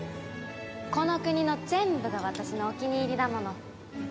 この国の全部が私のお気に入りだもの。